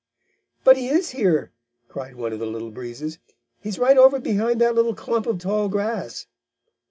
"But he is here!" cried one of the Little Breezes. "He's right over behind that little clump of tall grass."